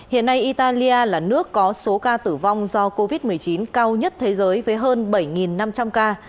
hiện nay italia là nước có số ca tử vong do covid một mươi chín cao nhất thế giới với hơn bảy năm trăm linh ca